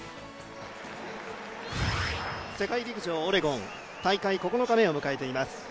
世界陸上オレゴン大会９日目を迎えています。